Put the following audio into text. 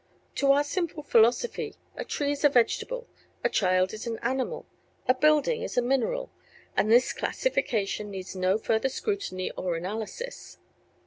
To our simple philosophy a tree is a vegetable, a child is an animal, a building is a mineral and this classification needs no further scrutiny or analysis.